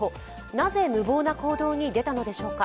なぜ無謀な行動に出たのでしょうか。